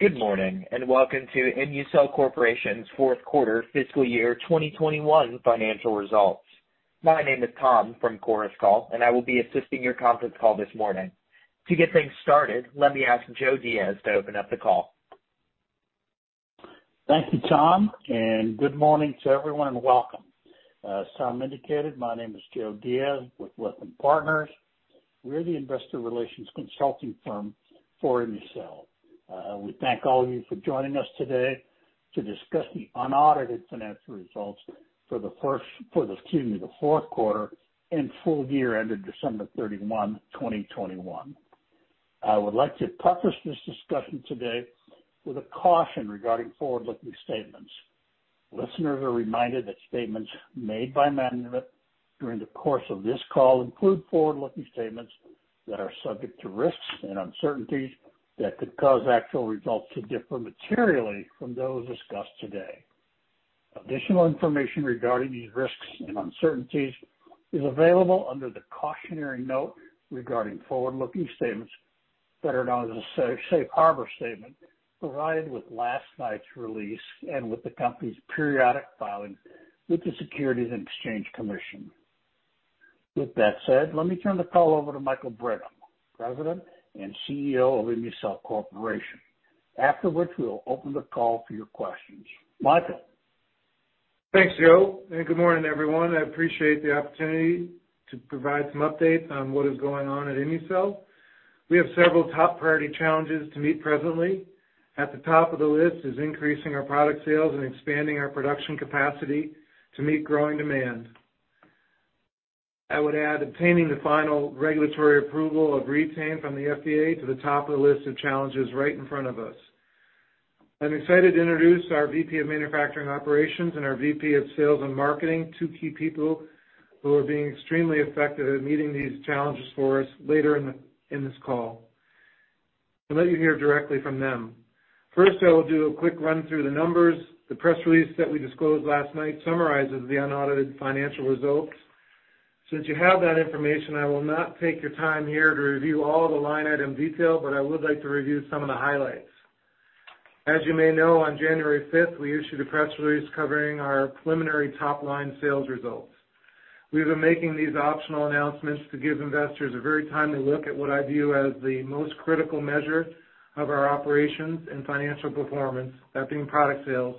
Good morning, and welcome to ImmuCell Corporation's fourth quarter fiscal year 2021 financial results. My name is Tom from Chorus Call, and I will be assisting your conference call this morning. To get things started, let me ask Joe Diaz to open up the call. Thank you, Tom, and good morning to everyone, and welcome. As Tom indicated, my name is Joe Diaz with Lytham Partners. We're the investor relations consulting firm for ImmuCell. We thank all of you for joining us today to discuss the unaudited financial results for the fourth quarter and full year ended December 31, 2021. I would like to preface this discussion today with a caution regarding forward-looking statements. Listeners are reminded that statements made by management during the course of this call include forward-looking statements that are subject to risks and uncertainties that could cause actual results to differ materially from those discussed today. Additional information regarding these risks and uncertainties is available under the cautionary note regarding forward-looking statements, better known as a safe harbor statement, provided with last night's release and with the company's periodic filings with the Securities and Exchange Commission. With that said, let me turn the call over to Michael Brigham, President and CEO of ImmuCell Corporation, after which we will open the call for your questions. Michael? Thanks, Joe, and good morning, everyone. I appreciate the opportunity to provide some updates on what is going on at ImmuCell. We have several top priority challenges to meet presently. At the top of the list is increasing our product sales and expanding our production capacity to meet growing demand. I would add obtaining the final regulatory approval of Re-Tain from the FDA to the top of the list of challenges right in front of us. I'm excited to introduce our VP of Manufacturing Operations and our VP of Sales and Marketing, two key people who are being extremely effective at meeting these challenges for us later in this call. I'll let you hear directly from them. First, I will do a quick run through the numbers. The press release that we disclosed last night summarizes the unaudited financial results. Since you have that information, I will not take your time here to review all the line item detail, but I would like to review some of the highlights. As you may know, on January 5th, we issued a press release covering our preliminary top-line sales results. We've been making these optional announcements to give investors a very timely look at what I view as the most critical measure of our operations and financial performance, that being product sales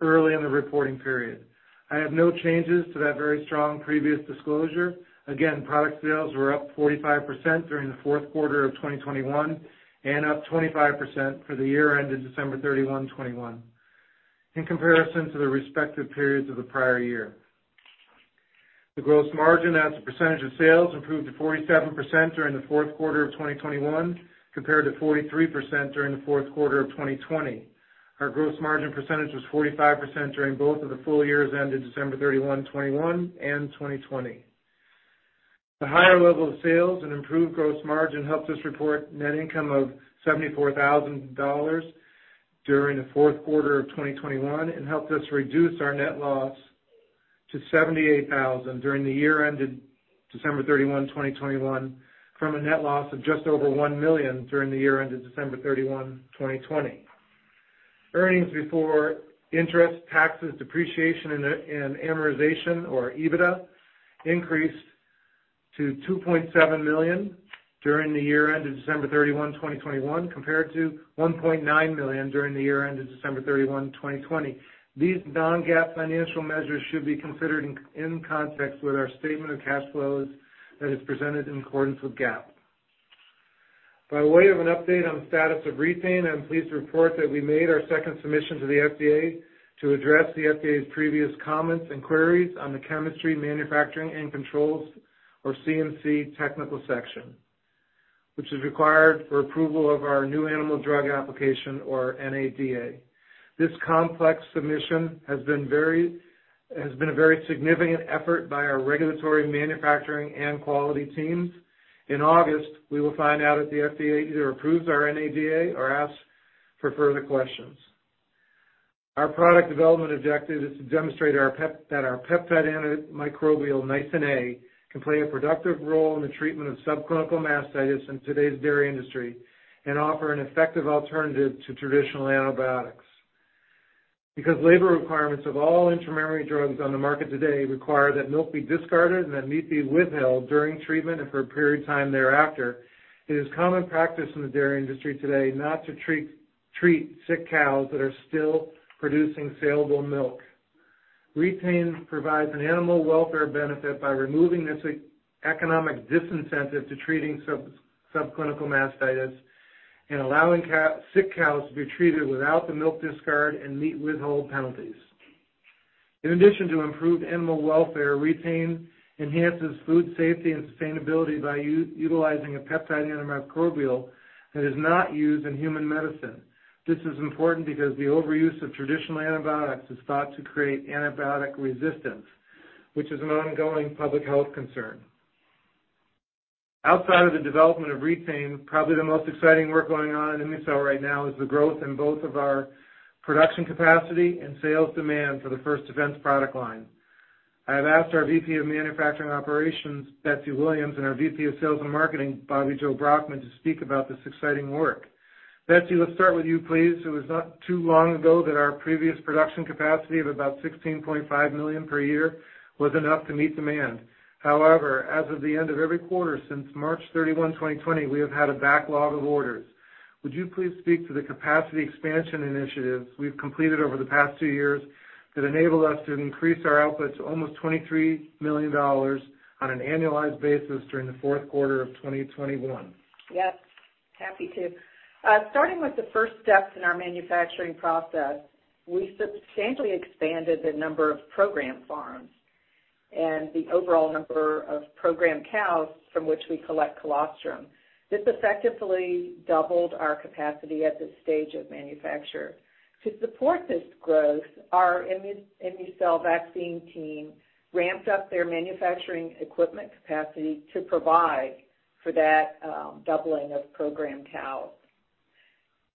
early in the reporting period. I have no changes to that very strong previous disclosure. Again, product sales were up 45% during the fourth quarter of 2021, and up 25% for the year ended December 31, 2021 in comparison to the respective periods of the prior year. The gross margin as a percentage of sales improved to 47% during the fourth quarter of 2021, compared to 43% during the fourth quarter of 2020. Our gross margin percentage was 45% during both of the full years ended December 31, 2021 and 2020. The higher level of sales and improved gross margin helped us report net income of $74,000 during the fourth quarter of 2021 and helped us reduce our net loss to $78,000 during the year ended December 31, 2021, from a net loss of just over $1 million during the year ended December 31, 2020. Earnings before interest, taxes, depreciation and amortization, or EBITDA, increased to $2.7 million during the year ended December 31, 2021, compared to $1.9 million during the year ended December 31, 2020. These non-GAAP financial measures should be considered in context with our statement of cash flows that is presented in accordance with GAAP. By way of an update on the status of Re-Tain, I'm pleased to report that we made our second submission to the FDA to address the FDA's previous comments and queries on the chemistry, manufacturing, and controls, or CMC technical section, which is required for approval of our New Animal Drug Application, or NADA. This complex submission has been a very significant effort by our regulatory, manufacturing, and quality teams. In August, we will find out if the FDA either approves our NADA or asks for further questions. Our product development objective is to demonstrate that our peptide antimicrobial, Nisin A, can play a productive role in the treatment of subclinical mastitis in today's dairy industry and offer an effective alternative to traditional antibiotics. Because labor requirements of all intramammary drugs on the market today require that milk be discarded and that meat be withheld during treatment and for a period of time thereafter, it is common practice in the dairy industry today not to treat sick cows that are still producing salable milk. Re-Tain provides an animal welfare benefit by removing this economic disincentive to treating subclinical mastitis and allowing sick cows to be treated without the milk discard and meat withhold penalties. In addition to improved animal welfare, Re-Tain enhances food safety and sustainability by utilizing a peptide antimicrobial that is not used in human medicine. This is important because the overuse of traditional antibiotics is thought to create antibiotic resistance, which is an ongoing public health concern. Outside of the development of Re-Tain, probably the most exciting work going on in ImmuCell right now is the growth in both of our production capacity and sales demand for the First Defense product line. I have asked our VP of Manufacturing Operations, Betsy Williams, and our VP of Sales and Marketing, Bobbi Jo Brockmann, to speak about this exciting work. Betsy, let's start with you, please. It was not too long ago that our previous production capacity of about 16.5 million per year was enough to meet demand. However, as of the end of every quarter since March 31, 2020, we have had a backlog of orders. Would you please speak to the capacity expansion initiatives we've completed over the past two years that enabled us to increase our output to almost $23 million on an annualized basis during the fourth quarter of 2021? Yes, happy to. Starting with the first steps in our manufacturing process, we substantially expanded the number of program farms and the overall number of program cows from which we collect colostrum. This effectively doubled our capacity at this stage of manufacture. To support this growth, our ImmuCell vaccine team ramped up their manufacturing equipment capacity to provide for that, doubling of program cows.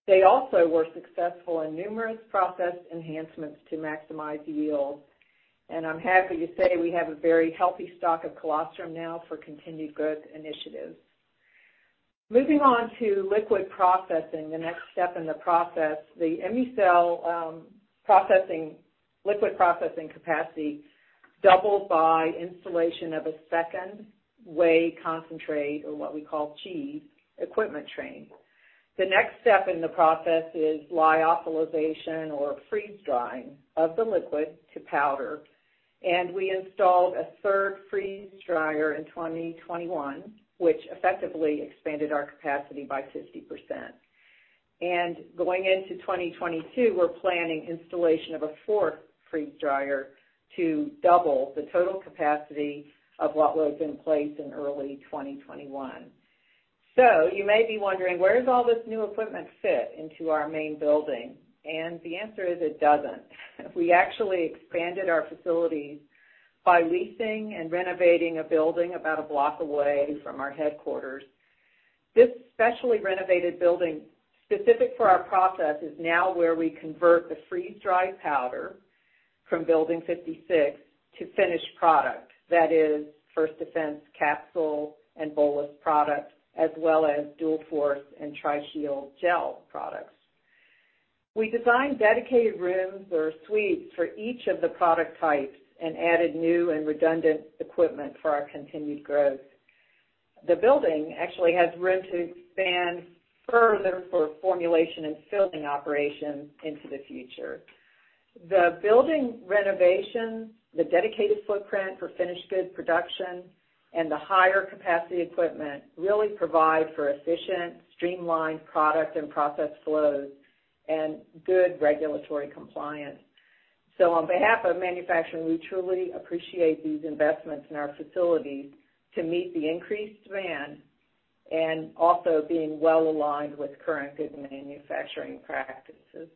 They also were successful in numerous process enhancements to maximize yield, and I'm happy to say we have a very healthy stock of colostrum now for continued growth initiatives. Moving on to liquid processing, the next step in the process, the ImmuCell processing, liquid processing capacity doubled by installation of a second whey concentrate or what we call cheese equipment train. The next step in the process is lyophilization or freeze drying of the liquid to powder. We installed a third freeze dryer in 2021, which effectively expanded our capacity by 50%. Going into 2022, we're planning installation of a fourth freeze dryer to double the total capacity of what was in place in early 2021. You may be wondering, where does all this new equipment fit into our main building? The answer is, it doesn't. We actually expanded our facilities by leasing and renovating a building about a block away from our headquarters. This specially renovated building, specific for our process, is now where we convert the freeze-dried powder from building 56 to finished product. That is First Defense capsule and bolus products, as well as Dual-Force and Tri-Shield gel products. We designed dedicated rooms or suites for each of the product types and added new and redundant equipment for our continued growth. The building actually has room to expand further for formulation and filling operations into the future. The building renovation, the dedicated footprint for finished good production, and the higher capacity equipment really provide for efficient, streamlined product and process flows and good regulatory compliance. On behalf of manufacturing, we truly appreciate these investments in our facilities to meet the increased demand and also being well aligned with current good manufacturing practices.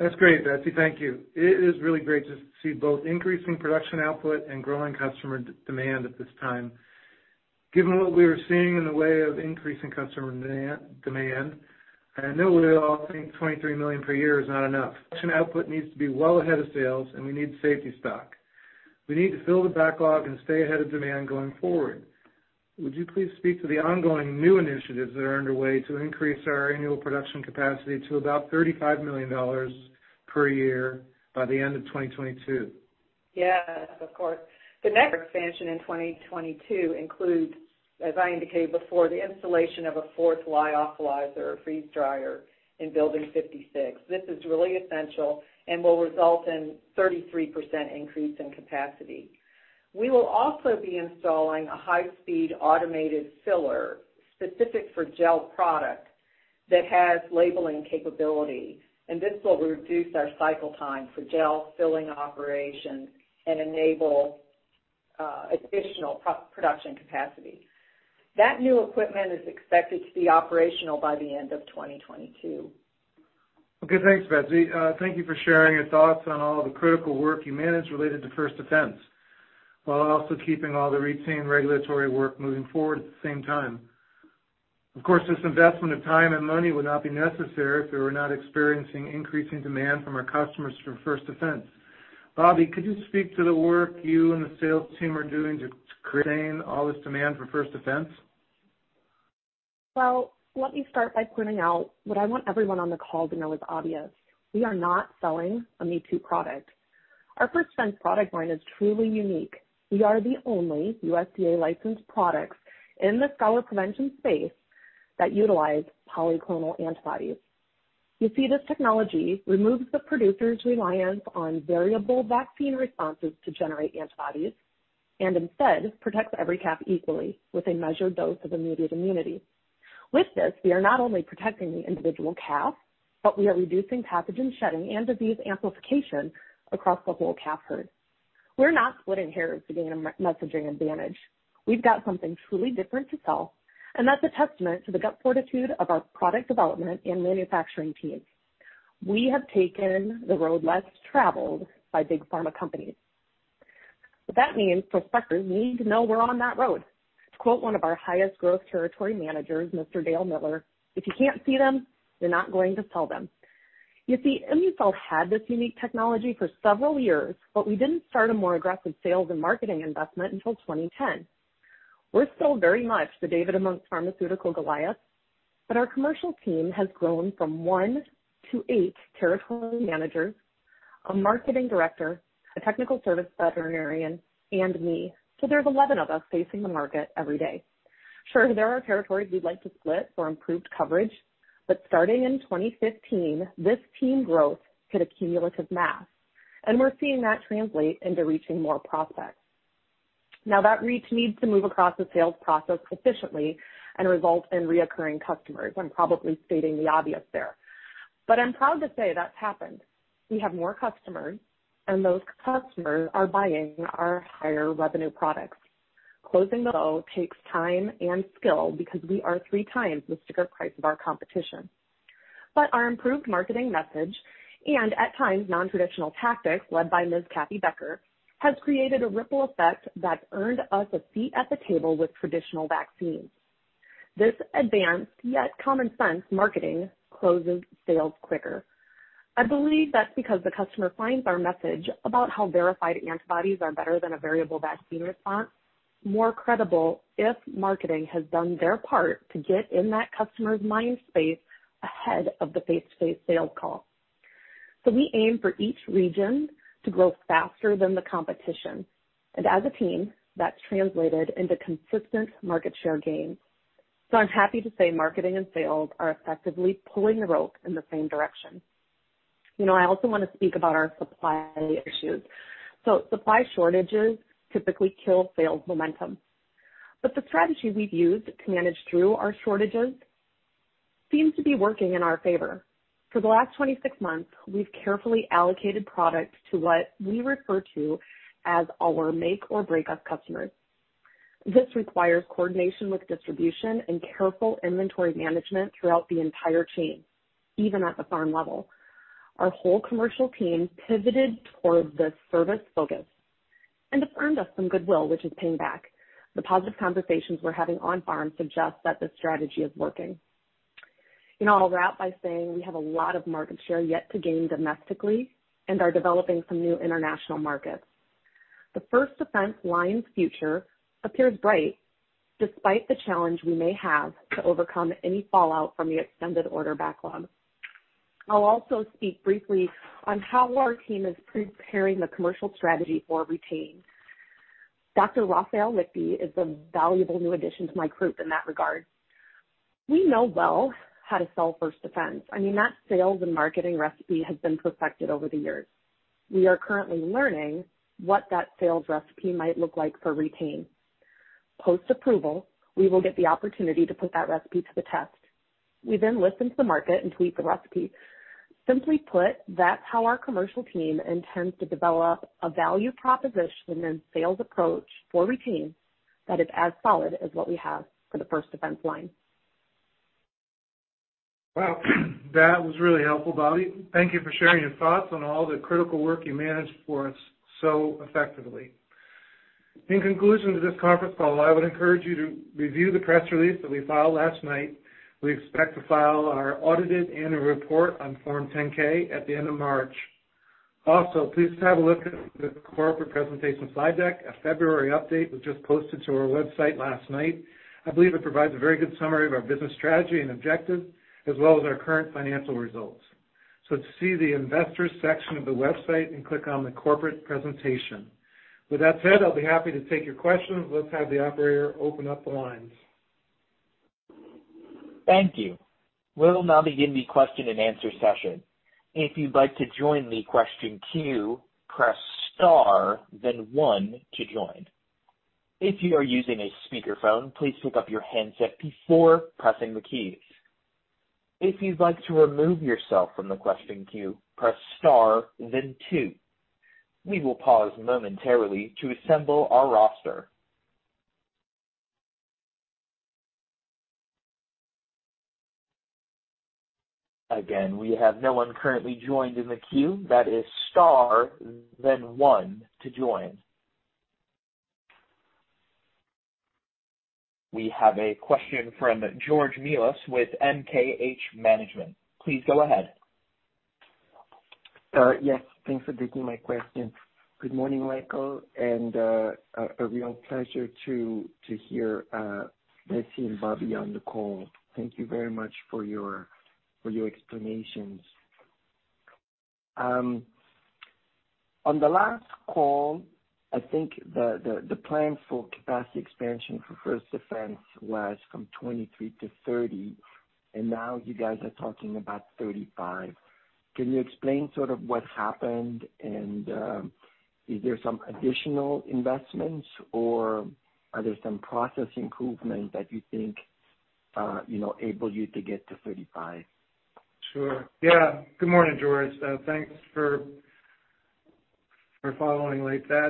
That's great, Betsy. Thank you. It is really great to see both increasing production output and growing customer demand at this time. Given what we are seeing in the way of increasing customer demand, I know we all think $23 million per year is not enough. Production output needs to be well ahead of sales, and we need safety stock. We need to fill the backlog and stay ahead of demand going forward. Would you please speak to the ongoing new initiatives that are underway to increase our annual production capacity to about $35 million per year by the end of 2022? Yes, of course. The next expansion in 2022 includes, as I indicated before, the installation of a fourth lyophilizer, freeze dryer in building 56. This is really essential and will result in 33% increase in capacity. We will also be installing a high-speed automated filler specific for gel product that has labeling capability, and this will reduce our cycle time for gel filling operations and enable additional production capacity. That new equipment is expected to be operational by the end of 2022. Okay, thanks, Betsy. Thank you for sharing your thoughts on all the critical work you manage related to First Defense, while also keeping all the routine regulatory work moving forward at the same time. Of course, this investment of time and money would not be necessary if we were not experiencing increasing demand from our customers for First Defense. Bobby, could you speak to the work you and the sales team are doing to sustain all this demand for First Defense? Well, let me start by pointing out what I want everyone on the call to know is obvious. We are not selling a me-too product. Our First Defense product line is truly unique. We are the only USDA-licensed products in the scours prevention space that utilize polyclonal antibodies. You see, this technology removes the producer's reliance on variable vaccine responses to generate antibodies, and instead protects every calf equally with a measured dose of immediate immunity. With this, we are not only protecting the individual calf, but we are reducing pathogen shedding and disease amplification across the whole calf herd. We're not splitting hairs to gain a me-too messaging advantage. We've got something truly different to sell, and that's a testament to the gut fortitude of our product development and manufacturing teams. We have taken the road less traveled by big pharma companies. That means prospects need to know we're on that road. To quote one of our highest growth territory managers, Mr. Dale Miller, "If you can't see them, you're not going to sell them." You see, ImmuCell had this unique technology for several years, but we didn't start a more aggressive sales and marketing investment until 2010. We're still very much the David amongst pharmaceutical Goliaths, but our commercial team has grown from one to eight territory managers, a marketing director, a technical service veterinarian, and me. There's 11 of us facing the market every day. Sure, there are territories we'd like to split for improved coverage, but starting in 2015, this team growth hit a cumulative mass, and we're seeing that translate into reaching more prospects. Now, that reach needs to move across the sales process efficiently and result in recurring customers. I'm probably stating the obvious there, but I'm proud to say that's happened. We have more customers, and those customers are buying our higher revenue products. Closing the sale takes time and skill because we are three times the sticker price of our competition. Our improved marketing message and at times nontraditional tactics led by Ms. Kathy Turner has created a ripple effect that's earned us a seat at the table with traditional vaccines. This advanced, yet common sense marketing closes sales quicker. I believe that's because the customer finds our message about how verified antibodies are better than a variable vaccine response more credible if marketing has done their part to get in that customer's mind space ahead of the face-to-face sales call. We aim for each region to grow faster than the competition. As a team, that's translated into consistent market share gains. I'm happy to say marketing and sales are effectively pulling the rope in the same direction. You know, I also want to speak about our supply issues. Supply shortages typically kill sales momentum, but the strategy we've used to manage through our shortages seems to be working in our favor. For the last 26 months, we've carefully allocated product to what we refer to as our make or break up customers. This requires coordination with distribution and careful inventory management throughout the entire chain, even at the farm level. Our whole commercial team pivoted towards this service focus, and it's earned us some goodwill, which is paying back. The positive conversations we're having on farm suggest that this strategy is working. You know, I'll wrap by saying we have a lot of market share yet to gain domestically and are developing some new international markets. The First Defense line's future appears bright despite the challenge we may have to overcome any fallout from the extended order backlog. I'll also speak briefly on how our team is preparing the commercial strategy for Re-Tain. Dr. Raphael Whitby is a valuable new addition to my group in that regard. We know well how to sell First Defense. I mean, that sales and marketing recipe has been perfected over the years. We are currently learning what that sales recipe might look like for Re-Tain. Post-approval, we will get the opportunity to put that recipe to the test. We then listen to the market and tweak the recipe. Simply put, that's how our commercial team intends to develop a value proposition and sales approach for Re-Tain that is as solid as what we have for the First Defense line. Well, that was really helpful, Bobbi. Thank you for sharing your thoughts on all the critical work you manage for us so effectively. In conclusion to this conference call, I would encourage you to review the press release that we filed last night. We expect to file our audited annual report on Form 10-K at the end of March. Also, please have a look at the corporate presentation slide deck. A February update was just posted to our website last night. I believe it provides a very good summary of our business strategy and objectives, as well as our current financial results. To see the Investors section of the website and click on the Corporate Presentation. With that said, I'll be happy to take your questions. Let's have the operator open up the lines. Thank you. We'll now begin the question-and-answer session. If you would like to join the question queue, press star, then one to join. If you are using a speakerphone, please pick up your handset before pressing the key. If you would like to remove yourself from the questioning queue, press star, then two. We will pause momentarily to assemble our roster. We have a question from George Melas with MKH Management. Please go ahead. Yes, thanks for taking my question. Good morning, Michael, and a real pleasure to hear Betsy and Bobbi on the call. Thank you very much for your explanations. On the last call, I think the plan for capacity expansion for First Defense was from 23-30, and now you guys are talking about 35. Can you explain sort of what happened? Is there some additional investments or are there some process improvements that you think, you know, enable you to get to 35? Sure. Yeah. Good morning, George. Thanks for following like that.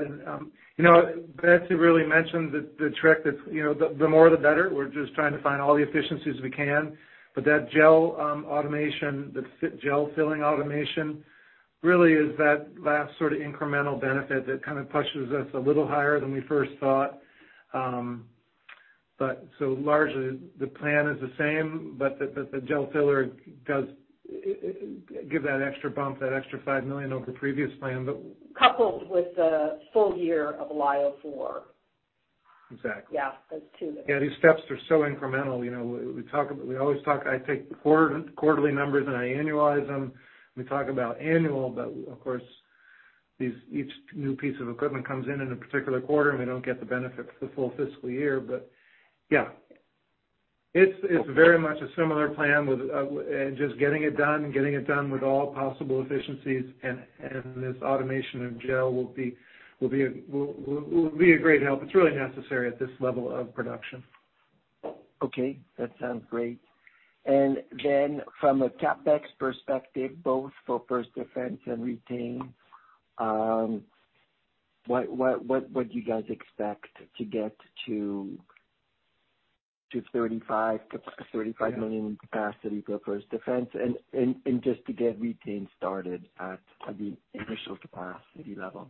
You know, Betsy really mentioned the tech that you know the more the better. We're just trying to find all the efficiencies we can, but that gel automation, the gel filling automation really is that last sort of incremental benefit that kind of pushes us a little higher than we first thought. So largely the plan is the same, but the gel filler does give that extra bump, that extra $5 million over the previous plan. Coupled with the full year of LYO four. Exactly. Yeah. Those two. Yeah. These steps are so incremental. You know, we talk, we always talk. I take the quarterly numbers and I annualize them. We talk about annual, but of course these, each new piece of equipment comes in a particular quarter, and we don't get the benefit for the full fiscal year. But yeah, it's very much a similar plan with and just getting it done with all possible efficiencies. This automation of gel will be a great help. It's really necessary at this level of production. Okay, that sounds great. From a CapEx perspective, both for First Defense and Re-Tain, what do you guys expect to get to 35 million in capacity for First Defense and just to get Re-Tain started at the initial capacity level?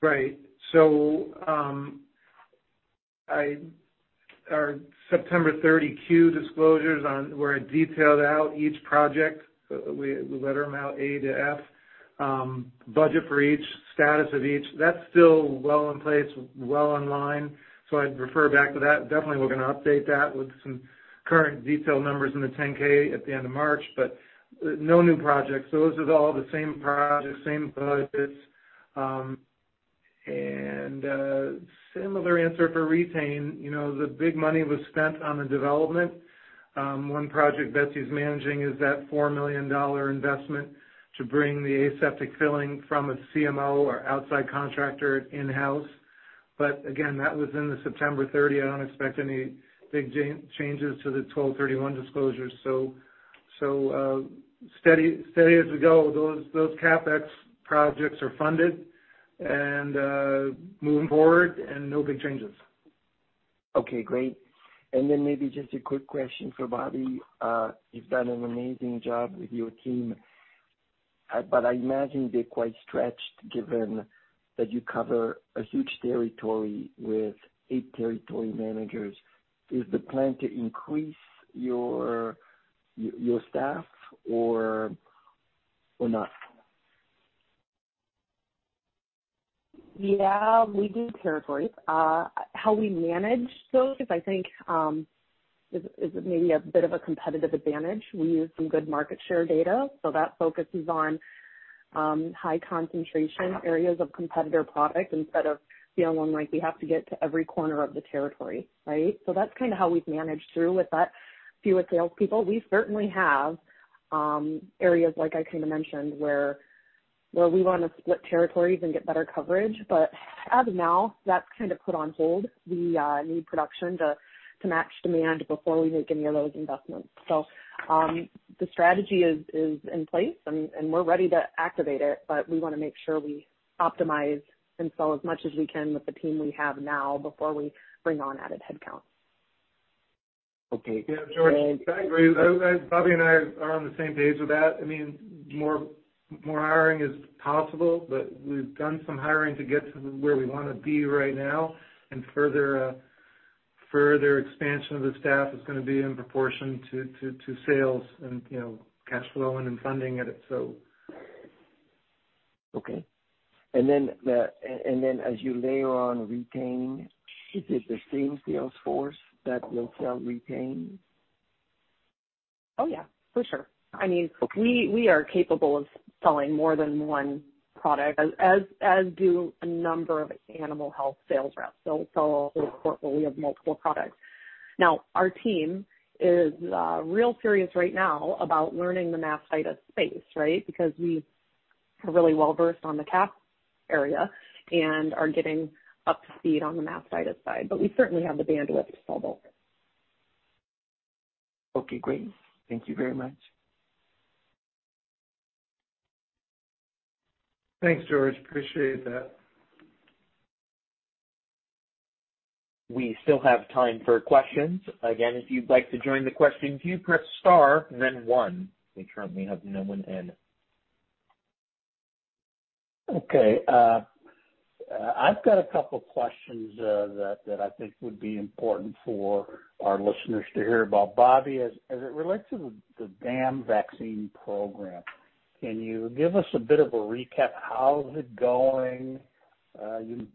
Right. Our September 30 Q disclosures on where I detailed out each project, letter them out A to F, budget for each, status of each. That's still well in place, well in line. I'd refer back to that. Definitely we're gonna update that with some current detailed numbers in the 10-K at the end of March, but no new projects. Those are all the same projects, same budgets. Similar answer for Re-Tain. You know, the big money was spent on the development. One project Betsy's managing is that $4 million investment to bring the aseptic filling from a CMO or outside contractor in-house. Again, that was in the September 30. I don't expect any big changes to the 12/31 disclosures. Steady as we go. Those CapEx projects are funded and moving forward and no big changes. Okay, great. Then maybe just a quick question for Bobbi. You've done an amazing job with your team, but I imagine they're quite stretched given that you cover a huge territory with eight territory managers. Is the plan to increase your staff or not? Yeah, we do territories. How we manage those, I think, is maybe a bit of a competitive advantage. We use some good market share data, so that focuses on high concentration areas of competitor product instead of feeling like we have to get to every corner of the territory, right? That's kind of how we've managed through with that fewer salespeople. We certainly have areas like I kind of mentioned where we want to split territories and get better coverage. As of now, that's kind of put on hold. We need production to match demand before we make any of those investments. The strategy is in place and we're ready to activate it, but we wanna make sure we optimize and sell as much as we can with the team we have now before we bring on added headcount. Okay. Yeah. George, I agree. Bobbi and I are on the same page with that. I mean, more hiring is possible, but we've done some hiring to get to where we wanna be right now. Further expansion of the staff is gonna be in proportion to sales and, you know, cash flow and then funding it, so. Okay. As you layer on Re-Tain, is it the same sales force that will sell Re-Tain? Oh, yeah, for sure. I mean. Okay. We are capable of selling more than one product as do a number of animal health sales reps. They'll sell the whole portfolio of multiple products. Now our team is real serious right now about learning the mastitis space, right? Because we are really well-versed on the calf area and are getting up to speed on the mastitis side, but we certainly have the bandwidth to sell both. Okay, great. Thank you very much. Thanks, George. I appreciate that. We still have time for questions. Again, if you'd like to join the question queue, press star and then one. We currently have no one in. Okay, I've got a couple questions that I think would be important for our listeners to hear about. Bobbi, as it relates to the dam vaccine program, can you give us a bit of a recap? How's it going? You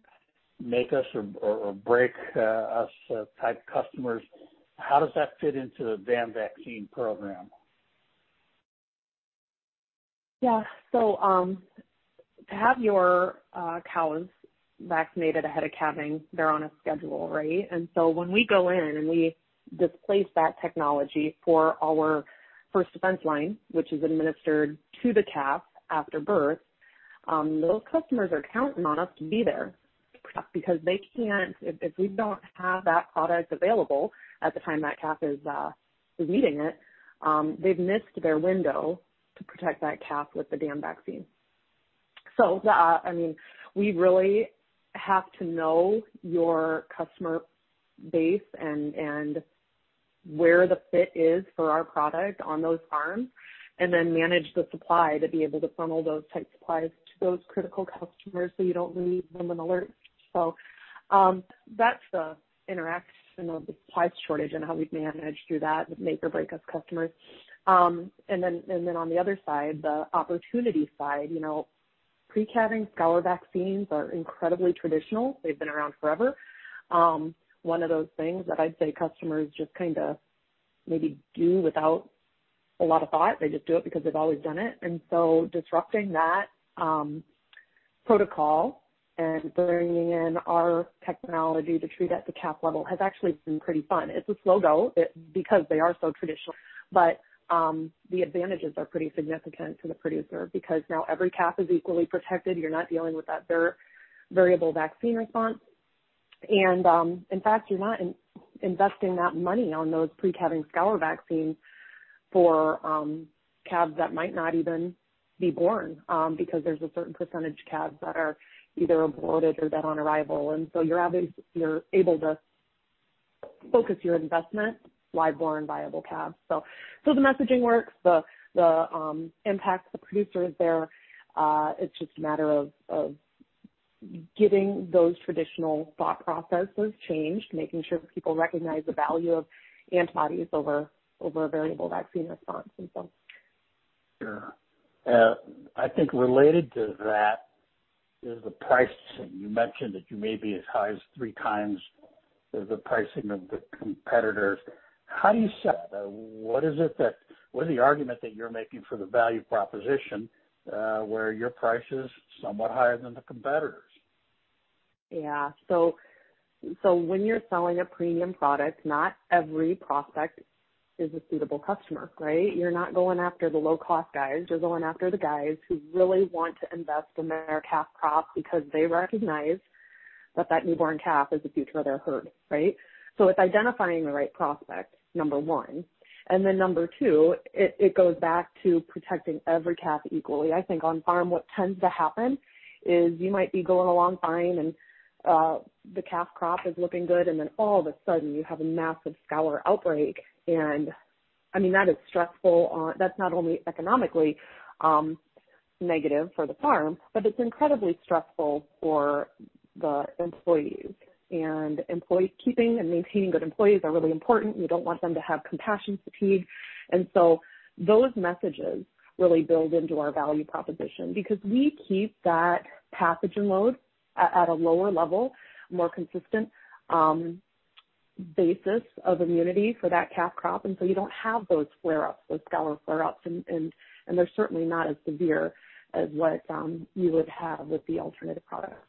make us or break us type customers. How does that fit into the dam vaccine program? Yeah. To have your cows vaccinated ahead of calving, they're on a schedule, right? When we go in and we displace that technology for our First Defense line, which is administered to the calf after birth, those customers are counting on us to be there because if we don't have that product available at the time that calf is needing it, they've missed their window to protect that calf with the VAM vaccine. I mean, we really have to know your customer base and where the fit is for our product on those farms and then manage the supply to be able to funnel those tight supplies to those critical customers so you don't leave them in the lurch. That's the interaction of the supply shortage and how we've managed through that make or break our customers. On the other side, the opportunity side, you know, pre-calving scour vaccines are incredibly traditional. They've been around forever. One of those things that I'd say customers just kinda maybe do without a lot of thought. They just do it because they've always done it. Disrupting that protocol and bringing in our technology to treat at the calf level has actually been pretty fun. It's a slow go because they are so traditional, but the advantages are pretty significant to the producer because now every calf is equally protected. You're not dealing with that variable vaccine response. In fact, you're not investing that money on those pre-calving scour vaccines for calves that might not even be born because there's a certain percentage of calves that are either aborted or dead on arrival. You're able to focus your investment on live born, viable calves. The messaging works. The impact to the producer is there. It's just a matter of getting those traditional thought processes changed, making sure people recognize the value of antibodies over a variable vaccine response. Sure. I think related to that is the pricing. You mentioned that you may be as high as three times the pricing of the competitors. How do you set that? What is the argument that you're making for the value proposition, where your price is somewhat higher than the competitors? Yeah. When you're selling a premium product, not every prospect is a suitable customer, right? You're not going after the low-cost guys. You're going after the guys who really want to invest in their calf crop because they recognize that that newborn calf is the future of their herd, right? It's identifying the right prospect, number one. Then number two, it goes back to protecting every calf equally. I think on farm, what tends to happen is you might be going along fine and the calf crop is looking good, and then all of a sudden you have a massive scours outbreak. I mean, that is stressful. That's not only economically negative for the farm, but it's incredibly stressful for the employees. Employee keeping and maintaining good employees are really important. We don't want them to have compassion fatigue. Those messages really build into our value proposition because we keep that pathogen load at a lower level, more consistent basis of immunity for that calf crop. You don't have those flare-ups, those scour flare-ups. They're certainly not as severe as what you would have with the alternative products.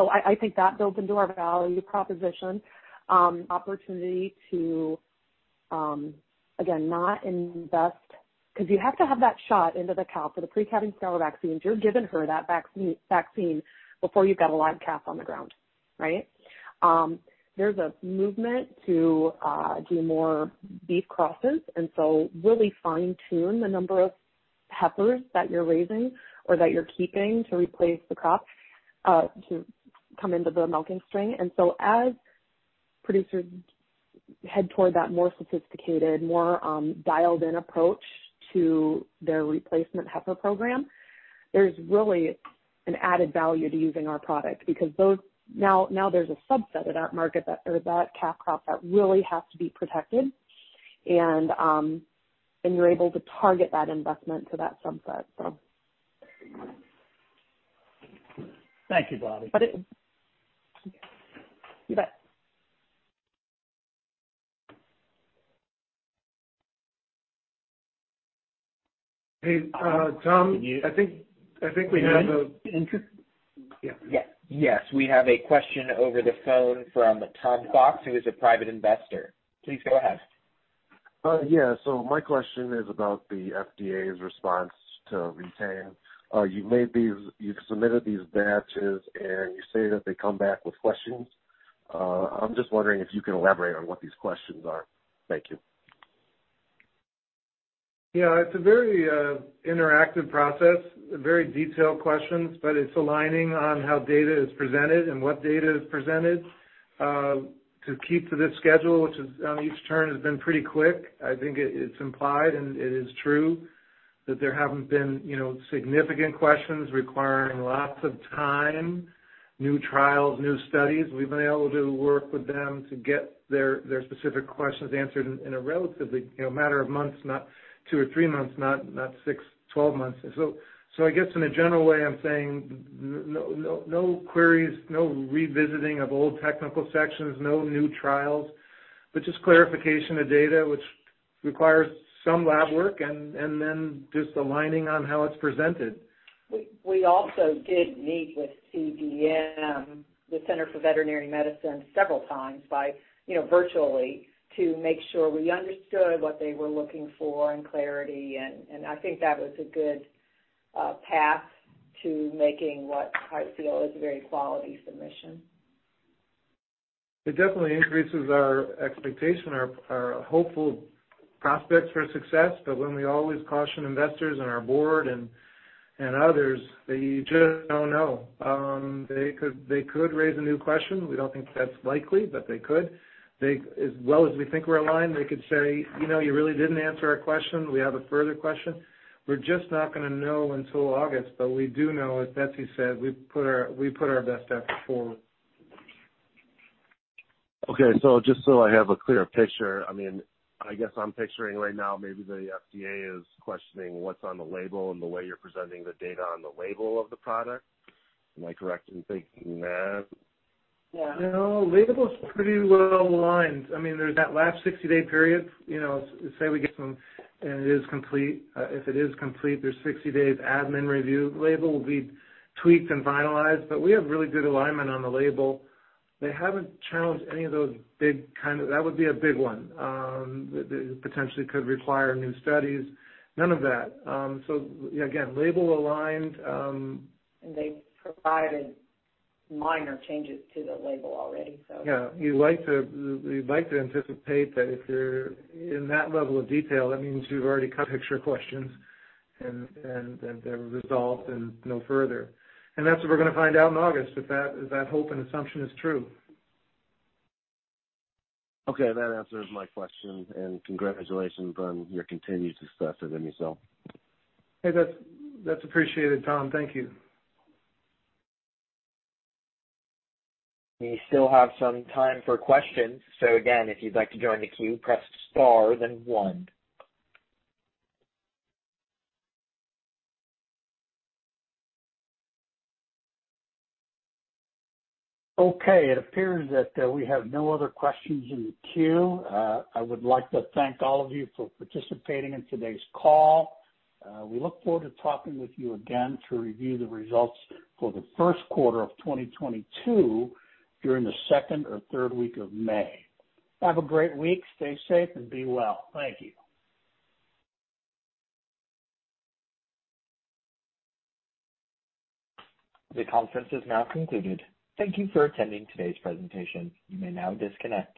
I think that builds into our value proposition. Opportunity to again not invest 'cause you have to have that shot into the cow for the pre-calving scour vaccines. You're giving her that vaccine before you've got a live calf on the ground, right? There's a movement to do more beef crosses, and so really fine-tune the number of heifers that you're raising or that you're keeping to replace the crop to come into the milking string. As producers head toward that more sophisticated, more dialed-in approach to their replacement heifer program, there's really an added value to using our product because those now there's a subset of that market that, or that calf crop that really has to be protected and you're able to target that investment to that subset. Thank you, Bobbi. You bet. Hey, Tom, I think we have a- Yes. We have a question over the phone from Tom Fox, who is a private investor. Please go ahead. My question is about the FDA's response to Re-Tain. You've submitted these batches, and you say that they come back with questions. I'm just wondering if you can elaborate on what these questions are. Thank you. Yeah. It's a very interactive process, very detailed questions, but it's aligning on how data is presented and what data is presented to keep to this schedule, which on each turn has been pretty quick. I think it's implied, and it is true that there haven't been, you know, significant questions requiring lots of time, new trials, new studies. We've been able to work with them to get their specific questions answered in a relatively, you know, matter of months, not 2 months or 3 months, not 6 months, 12 months. I guess in a general way, I'm saying no queries, no revisiting of old technical sections, no new trials, but just clarification of data, which requires some lab work and then just aligning on how it's presented. We also did meet with CVM, the Center for Veterinary Medicine, several times by, you know, virtually to make sure we understood what they were looking for and clarity, and I think that was a good path to making what I feel is a very quality submission. It definitely increases our expectation, our hopeful prospects for success. When we always caution investors and our board and others, that you just don't know. They could raise a new question. We don't think that's likely, but they could. They, as well as we think we're aligned, they could say, "You know, you really didn't answer our question. We have a further question." We're just not gonna know until August. We do know, as Betsy said, we've put our, we put our best effort forward. Okay. Just so I have a clearer picture, I mean, I guess I'm picturing right now maybe the FDA is questioning what's on the label and the way you're presenting the data on the label of the product. Am I correctly thinking that? No, label's pretty well aligned. I mean, there's that last 60-day period, you know. Say we get some and it is complete, if it is complete, there's 60 days admin review. Label will be tweaked and finalized, but we have really good alignment on the label. They haven't challenged any of those big kind of. That would be a big one. Potentially could require new studies. None of that. Again, label aligned. They've provided minor changes to the label already, so. Yeah. You like to anticipate that if they're in that level of detail, that means you've already cut picture questions and they're resolved and no further. That's what we're gonna find out in August, if that hope and assumption is true. Okay. That answers my question, and congratulations on your continued success at ImmuCell. Hey, that's appreciated, Tom. Thank you. We still have some time for questions. Again, if you'd like to join the queue, press star then one. Okay. It appears that we have no other questions in the queue. I would like to thank all of you for participating in today's call. We look forward to talking with you again to review the results for the first quarter of 2022 during the second or third week of May. Have a great week. Stay safe and be well. Thank you. The conference is now concluded. Thank you for attending today's presentation. You may now disconnect.